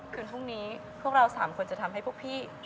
คืนพรุ่งนี้พวกเรา๓คนจะทำให้พวกพี่